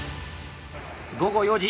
午後４時。